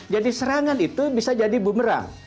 jadi serangan itu bisa jadi bumerang